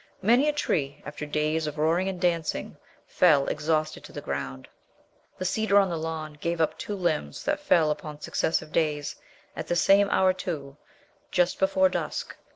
Many a tree, after days of roaring and dancing, fell exhausted to the ground. The cedar on the lawn gave up two limbs that fell upon successive days, at the same hour too just before dusk.